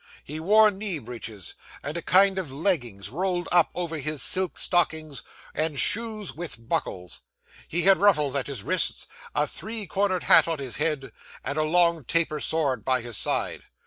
He wore knee breeches, and a kind of leggings rolled up over his silk stockings, and shoes with buckles; he had ruffles at his wrists, a three cornered hat on his head, and a long taper sword by his side.